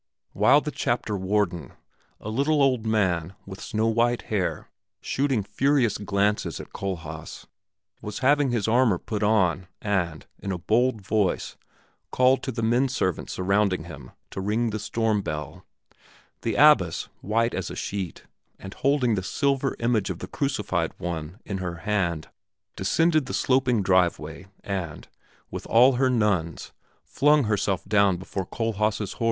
While the chapter warden, a little old man with snow white hair, shooting furious glances at Kohlhaas, was having his armor put on and, in a bold voice, called to the men servants surrounding him to ring the storm bell, the abbess, white as a sheet, and holding the silver image of the Crucified One in her hand, descended the sloping driveway and, with all her nuns, flung herself down before Kohlhaas' horse.